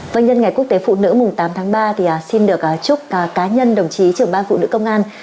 vâng nhân ngày quốc tế phụ nữ mùng tám tháng ba thì xin được chúc cá nhân đồng chí trưởng ban phụ nữ công an